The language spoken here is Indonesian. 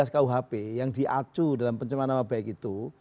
tiga ratus sepuluh tiga ratus sebelas kuhp yang diacu dalam pencerman nama baik itu